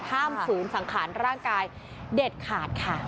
ฝืนสังขารร่างกายเด็ดขาดค่ะ